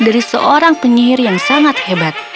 dari seorang penyihir yang sangat hebat